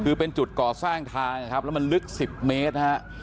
คือเป็นจุดก่อสร้างทางนะครับแล้วมันลึก๑๐เมตรนะฮะ